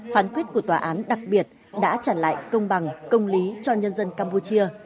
phán quyết của tòa án đặc biệt đã trả lại công bằng công lý cho nhân dân campuchia